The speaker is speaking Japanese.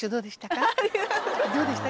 どうでした？